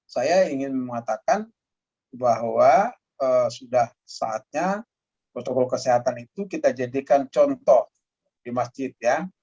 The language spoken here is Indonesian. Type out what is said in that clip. saya ingin mengatakan bahwa sudah saatnya protokol kesehatan itu kita jadikan contoh di masjid ya